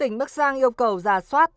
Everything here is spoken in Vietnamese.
tỉnh bắc giang yêu cầu giả soát